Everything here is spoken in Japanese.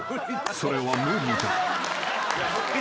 それは無理だ］